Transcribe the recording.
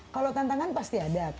kalau tantangan pasti ada